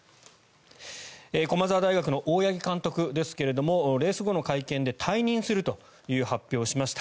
駒澤大学の大八木監督ですがレース後の会見で退任するという発表をしました。